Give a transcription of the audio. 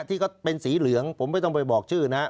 ที่เป็นสีเหลืองผมไม่ต้องไปบอกชื่อนะ